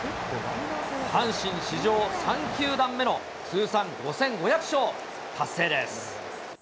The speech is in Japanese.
阪神、史上３球団目の通算５５００勝達成です。